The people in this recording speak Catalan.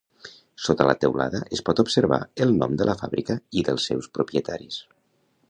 Sota la teulada es pot observar el nom de la fàbrica i dels seus propietaris.